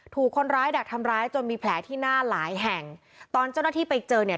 ถูกคนร้ายดักทำร้ายจนมีแผลที่หน้าหลายแห่งตอนเจ้าหน้าที่ไปเจอเนี่ย